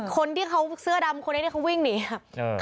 คนที่เขาเสื้อดำคนนี่เขาวิ่งหนีอ่ะ